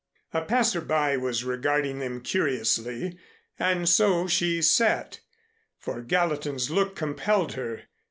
A passer by was regarding them curiously and so she sat, for Gallatin's look compelled her.